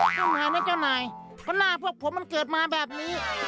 เจ้านายนะเจ้านายเพราะหน้าพวกผมมันเกิดมาแบบนี้